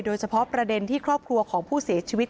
โดยเฉพาะประเด็นที่ครอบครัวของผู้เสียชีวิต